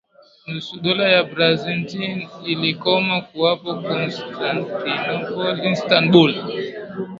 nusu Dola ya Byzantine ilikoma kuwapo Constantinople Istanbul